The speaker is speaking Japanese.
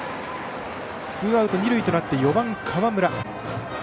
ツーアウト、二塁となって４番の河村。